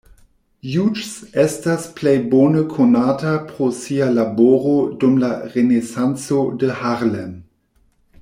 Hughes estas plej bone konata pro sia laboro dum la Renesanco de Harlem.